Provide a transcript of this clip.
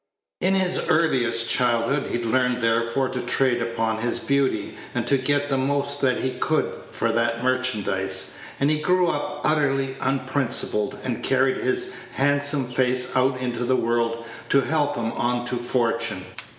In his earliest childhood he learned therefore to trade upon his beauty, and to get the most that he could for that merchandise; and he grew up utterly unprincipled, and carried his handsome face out into the world to help him on to fortune.